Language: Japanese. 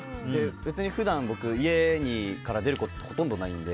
別に普段、家から出ることほとんどないので。